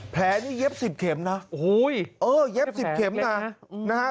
แผลนี้เย็บ๑๐เข็มนะโอ้โฮเออเย็บ๑๐เข็มนะ